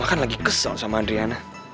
mama kan lagi kesel sama adriana